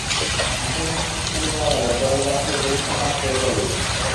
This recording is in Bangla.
আসল মাস্টার্স শুরু করা যাবে পরের বার সেই পরীক্ষা পাস করে তবেই।